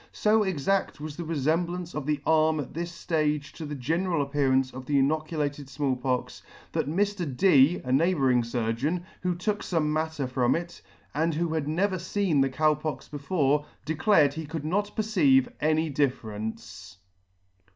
So exadt was the refemblance of the arm at this ftage to the general appearance of the inoculated Small Pox, that Mr. Do [ »l'] Mr. D. a neighbouring furgeon, who took fome matter from it, and who had never feen the Cow Pox before, declared he could not perceive any difference*.